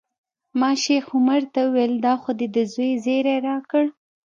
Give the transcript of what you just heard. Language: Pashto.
ما شیخ عمر ته وویل دا خو دې د زوی زیری راکړ.